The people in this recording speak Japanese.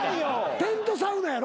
テントサウナやろ？